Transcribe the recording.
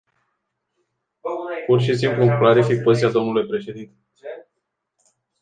Pur și simplu îmi clarific poziția, dle președinte.